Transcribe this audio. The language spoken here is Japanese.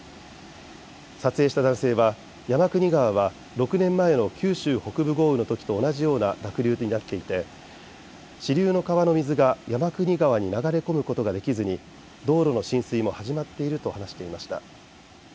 撮影した男性は、山国川は６年前の九州北部豪雨と同じような濁流となっていて支流の川の水が山国川に流れ込むことができずに道路の浸水も始まっていると話していました。